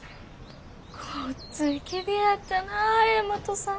ごっついきれいやったなあ大和さん。